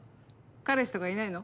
彼氏とかいないの？